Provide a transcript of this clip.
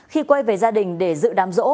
khi quay về gia đình để giữ đám rỗ